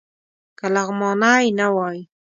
که لغمانی نه وای.